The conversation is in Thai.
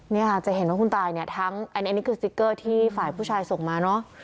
เนี่ยค่ะจะเห็นว่าคุณตายเนี่ยทั้งอันนี้คือสติ๊กเกอร์ที่ฝ่ายผู้ชายส่งมาเนอะ